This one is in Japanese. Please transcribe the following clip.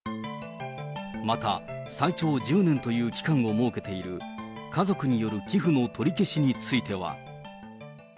また、最長１０年という期間を設けている家族による寄付の取り消しについては。